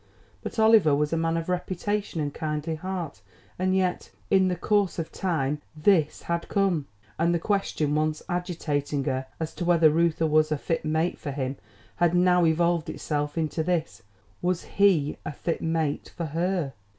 But Oliver was a man of reputation and kindly heart; and yet, in the course of time THIS had come, and the question once agitating her as to whether Reuther was a fit mate for him had now evolved itself into this: WAS HE A FIT MATE FOR HER?